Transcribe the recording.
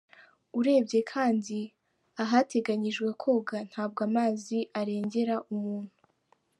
Urebye kandi ahateganyijwe koga ntabwo amazi arengera umuntu.”